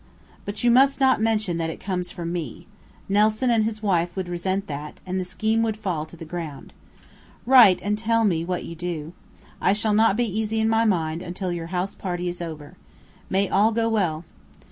But you must not mention that it comes from me. Nelson and his wife would resent that; and the scheme would fall to the ground. Write and tell me what you do. I shall not be easy in my mind until your house party is over. May all go well!